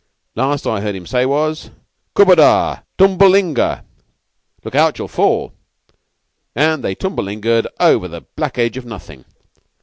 The last I heard him say was, 'Kubbadar! tumbleinga! [Look out; you'll fall!] and they tumbleingaed over the black edge of nothing.